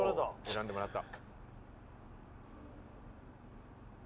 「選んでもらった」